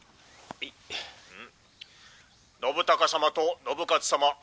「信孝様と信雄様